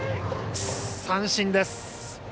三振です。